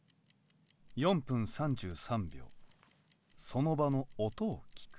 ４分３３秒その場の「音」を聴く。